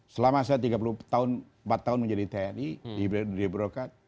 selama saya tiga puluh tahun empat tahun menjadi tni di brokat